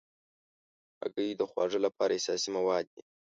هګۍ د خواږو لپاره اساسي مواد دي.